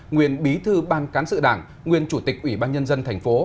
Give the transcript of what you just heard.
nguyên bí thư ban cán sự đảng nguyên chủ tịch ủy ban nhân dân thành phố